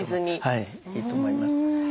はいいいと思います。